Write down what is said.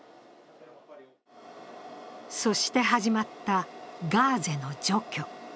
そして始まったガーゼの除去。